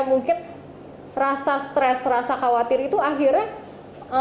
mungkin rasa stres rasa khawatir itu akhirnya